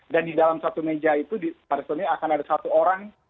dan di dalam satu meja itu pada saat ini akan ada satu orang